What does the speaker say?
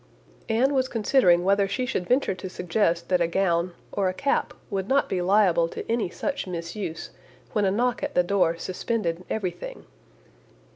Anne was considering whether she should venture to suggest that a gown, or a cap, would not be liable to any such misuse, when a knock at the door suspended everything.